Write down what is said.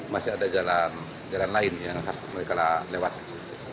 masih ada jalan lain yang harus mereka lewati